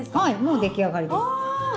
はいもう出来上がりです。